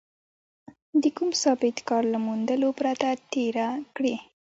د کوم ثابت کار له موندلو پرته تېره کړې.